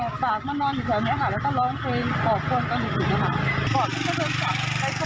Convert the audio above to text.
บ้านมันก็เข้ามาอื่น